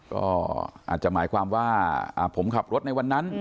ก็อาจจะหมายความว่าผมขับรถในวันนั้น